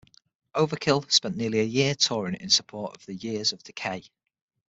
Overkill spent nearly a year touring in support of "The Years of Decay".